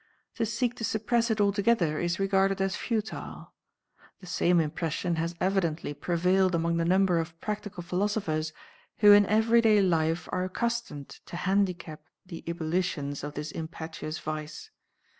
To seek to suppress it altogether is regarded as futile. The same impression has evidently prevailed among the number of practical philosophers who in everyday life are accustomed to handicap the ebullitions of this impetuous vice.